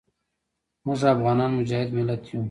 موږ افغانان مجاهد ملت یو.